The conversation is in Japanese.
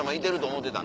「思ってた」